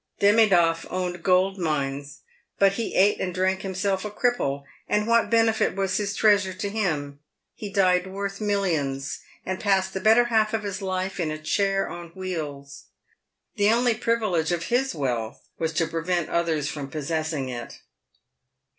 Demidoff owned gold mines, but he eat and drank himself a cripple, and what benefit' was his treasure to him ? He died worth millions, and passed the better half of his life in a chair on wheels. The only privilege of his wealth was to prevent others from possessing it.